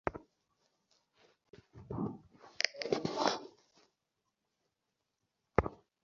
তোমার প্রিয় শিক্ষক আমজাদ হোসেন তোমার চিরবিদায়কালে তোমার স্থির মুখচ্ছবিটি দেখেননি।